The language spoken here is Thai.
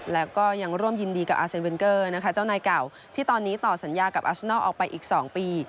แล้วก็ยังร่วมยินดีกับอาเซนเวนเกอร์นะคะเจ้านายเก่าที่ตอนนี้ต่อสัญญากับอัสนอลออกไปอีก๒ปี